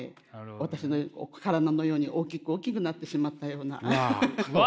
私の体のように大きく大きくなってしまったような。わ。